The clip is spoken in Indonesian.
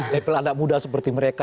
level anak muda seperti mereka